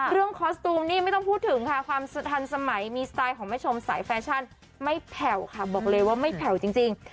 คอสตูมนี่ไม่ต้องพูดถึงค่ะความสุขทันสมัยมีสไตล์ของแม่ชมสายแฟชั่นไม่แผ่วค่ะบอกเลยว่าไม่แผ่วจริง